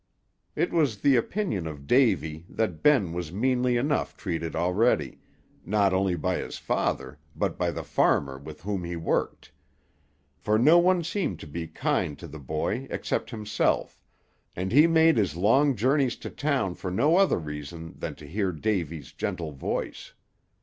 It was the opinion of Davy that Ben was meanly enough treated already, not only by his father, but by the farmer with whom he worked; for no one seemed to be kind to the boy except himself, and he made his long journeys to town for no other reason than to hear Davy's gentle voice.